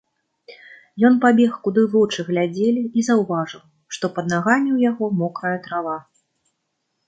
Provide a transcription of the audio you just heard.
Ён пабег куды вочы глядзелі і заўважыў, што пад нагамі ў яго мокрая трава.